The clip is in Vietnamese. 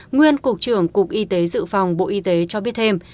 nguyên cục trưởng cục y tế dự phòng bộ y tế cho biết thêm